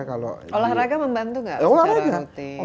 olahraga membantu gak secara rutin